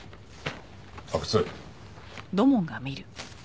阿久津。